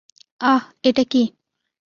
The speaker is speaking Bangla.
আহ, এটা কী?